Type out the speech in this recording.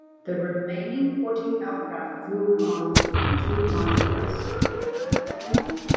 The remaining fourteen aircraft flew on in two lines abreast.